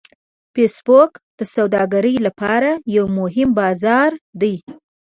فېسبوک د سوداګرو لپاره یو مهم بازار دی